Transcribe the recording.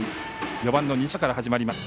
４番の西川から始まります。